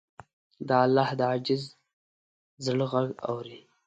الله د عاجز زړه غږ اوري.